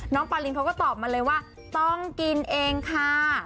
ปารินเขาก็ตอบมาเลยว่าต้องกินเองค่ะ